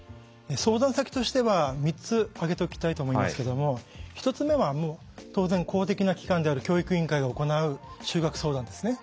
相談先としては３つ挙げておきたいと思いますけども１つ目は当然公的な機関である教育委員会が行う就学相談ですね。